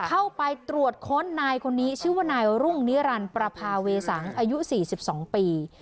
เข้าไปตรวจค้นนายคนนี้ชื่อว่านายรุ่งนิรันดิ์ประพาเวสังอายุ๔๒ปี